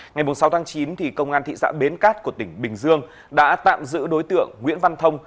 ngày sáu chín công an thị xã bến cát của tỉnh bình dương đã tạm giữ đối tượng nguyễn văn thông